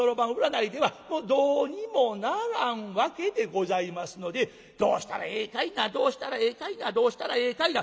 占いではどうにもならんわけでございますので「どうしたらええかいなどうしたらええかいなどうしたらええかいな」